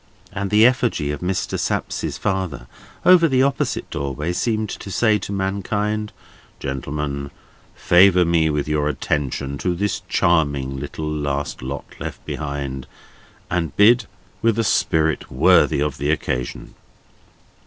and the effigy of Mr. Sapsea's father over the opposite doorway seemed to say to mankind: "Gentlemen, favour me with your attention to this charming little last lot left behind, and bid with a spirit worthy of the occasion!"